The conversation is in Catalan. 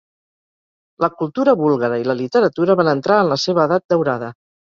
La cultura búlgara i la literatura van entrar en la seva Edat Daurada.